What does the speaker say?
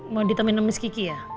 mau ditemuin sama miss kiki ya